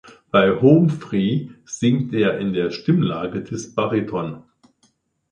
Bei Home Free singt er in der Stimmlage des Bariton.